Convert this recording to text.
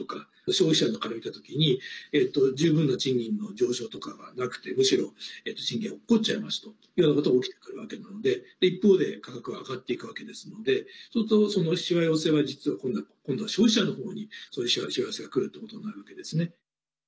消費者の側から見た時に十分な賃金の上昇とかがなくてむしろ賃金が落っこっちゃいますというようなことが起きてくるわけなので一方で価格は上がっていくわけですのですると、そのしわ寄せは実は今度は消費者の方にしわ寄せがくるってことになるわけですね。